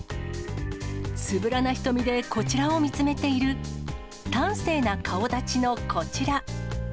つぶらな瞳でこちらを見つめている端正な顔立ちのこちら。